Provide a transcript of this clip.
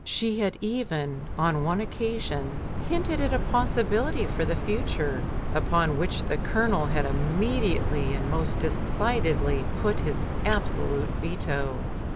She had even on one occasion hinted at a possibility for the future, upon which the Colonel had immediately and most decidedly put his absolute veto.